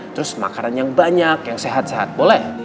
terus makanan yang banyak yang sehat sehat boleh